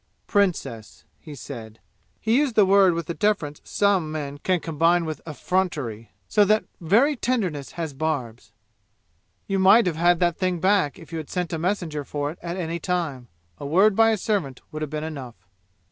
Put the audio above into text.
"Princess," he said. He used the word with the deference some men can combine with effrontery, so that very tenderness has barbs. "You might have had that thing back if you had sent a messenger for it at any time. A word by a servant would have been enough.